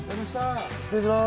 失礼します。